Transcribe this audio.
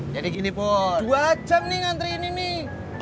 jadi gini pur dua jam nih ngantri ini nih